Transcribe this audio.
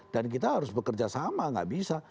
dan kita harus bekerja sama gak bisa